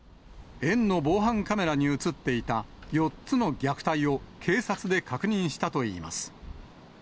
園の防犯カメラに写っていた４つの虐待を警察で確認したといいます。